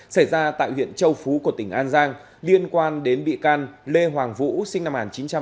xảy ra tại huyện châu phú của tp hcm liên quan đến bị can lê hoàng vũ sinh năm một nghìn chín trăm tám mươi năm